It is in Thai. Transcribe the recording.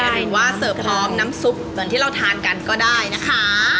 หรือว่าเสิร์ฟพร้อมน้ำซุปเหมือนที่เราทานกันก็ได้นะคะ